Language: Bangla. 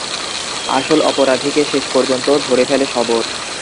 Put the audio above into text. আসল অপরাধীকে শেষ পর্যন্ত ধরে ফেলে শবর।